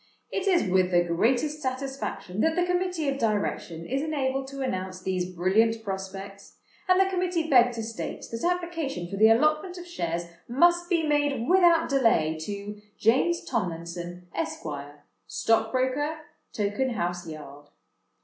"It is with the greatest satisfaction that the Committee of Direction is enabled to announce these brilliant prospects; and the Committee beg to state that application for the allotment of Shares must be made without delay to James Tomlinson, Esq., Stockbroker, Tokenhouse Yard.